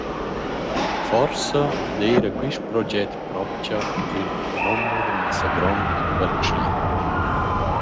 Forsa d’eira quist proget propcha «ün nomer massa grond» per Tschlin.